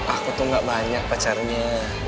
aku tuh gak banyak pacarnya